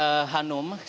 seperti yang saya katakan